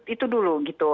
itu dulu gitu